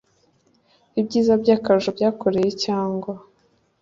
ibyiza by akarusho yakoreye cyangwa